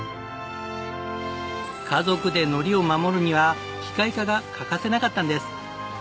家族で海苔を守るには機械化が欠かせなかったんです。